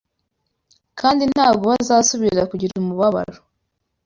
kandi ntabwo bazasubira kugira umubabaro